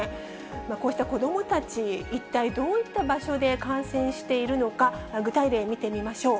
こうした子どもたち、一体どういった場所で感染しているのか、具体例見てみましょう。